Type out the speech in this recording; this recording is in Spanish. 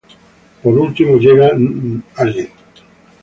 Por último llega Ntra.